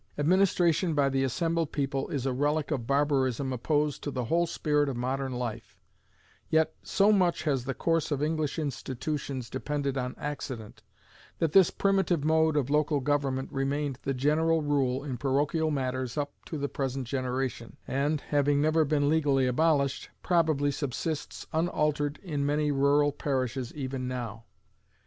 Administration by the assembled people is a relic of barbarism opposed to the whole spirit of modern life; yet so much has the course of English institutions depended on accident, that this primitive mode of local government remained the general rule in parochial matters up to the present generation; and, having never been legally abolished, probably subsists unaltered in many rural parishes even now.